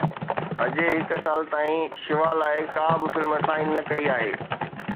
اجي هڪ سال تائين شيوا لاءِ ڪا به فلم سائن نه ڪئي آهي